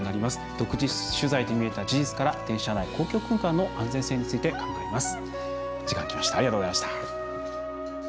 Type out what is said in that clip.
独自取材で見えた事実から電車内、公共空間の安全性について考えます。